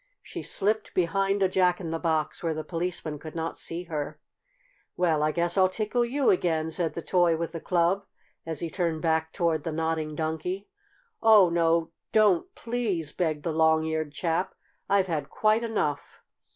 She slipped behind a Jack in the Box, where the Policeman could not see her. "Well, I guess I'll tickle you again," said the toy with the club, as he turned back toward the Nodding Donkey. "Oh, no, don't, please!" begged the long eared chap. "I've had quite enough.